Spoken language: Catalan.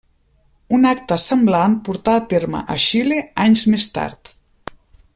Un acte semblant portà a terme a Xile anys més tard.